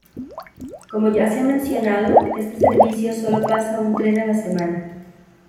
Como ya se ha mencionado, este servicio solo pasa un tren a la semana.